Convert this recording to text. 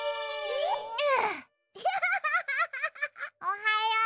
おはよう。